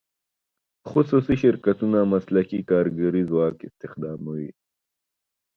خصوصي شرکتونه مسلکي کارګري ځواک استخداموي.